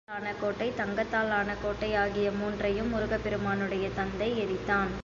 இரும்பாலான கோட்டை, வெள்ளியால் ஆன கோட்டை, தங்கத்தாலான கோட்டை ஆகிய மூன்றையும் முருகப் பெருமானுடைய தந்தை எரித்தான்.